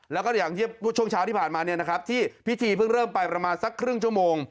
แล้วก็อย่างที่ช่วงเช้าที่ผ่านมาเนี่ยนะครับที่พิธีเพิ่งเริ่มไปประมาณสักครึ่งชั่วโมง